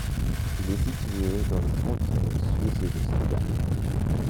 Il est situé dans le canton suisse de Saint-Gall.